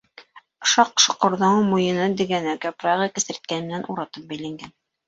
Шаҡ-Шоҡорҙоң муйыны дегәнәк япрағы, кесерткән менән уратып бәйләнгән.